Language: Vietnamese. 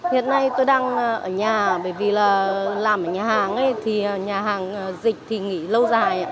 hiện nay tôi đang ở nhà bởi vì là làm ở nhà hàng thì nhà hàng dịch thì nghỉ lâu dài